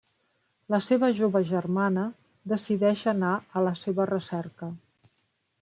La seva jove germana decideix anar a la seva recerca.